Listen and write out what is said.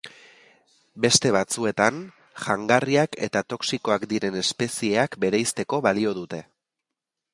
Beste batzuetan, jangarriak eta toxikoak diren espezieak bereizteko balio dute.